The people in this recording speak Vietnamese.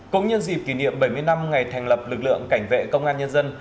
cũng nhân dịp kỷ niệm bảy mươi năm ngày thành lập lực lượng cảnh vệ công an nhân dân